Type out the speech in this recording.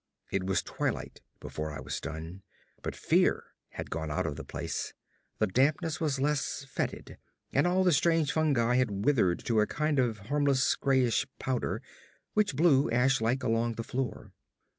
It was twilight before I was done, but fear had gone out of the place. The dampness was less fetid, and all the strange fungi had withered to a kind of harmless grayish powder which blew ash like along the floor.